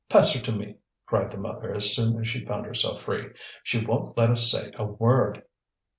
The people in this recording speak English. "Pass her to me," cried the mother as soon as she found herself free; "she won't let us say a word."